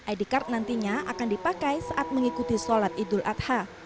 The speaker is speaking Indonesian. id card nantinya akan dipakai saat mengikuti sholat idul adha